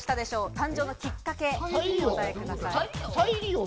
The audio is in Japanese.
誕生のきっかけ、お答えください。